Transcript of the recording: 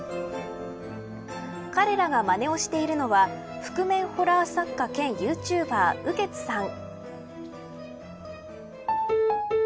彼らが、まねをしているのは覆面ホラー作家兼ユーチューバー、雨穴さん。